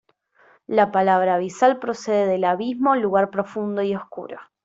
La palabra abisal procede de abismo, lugar profundo y oscuro.